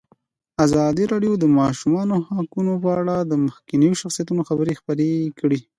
ازادي راډیو د د ماشومانو حقونه په اړه د مخکښو شخصیتونو خبرې خپرې کړي.